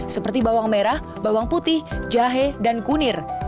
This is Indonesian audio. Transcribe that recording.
seperti bawang merah bawang putih jahe dan kunir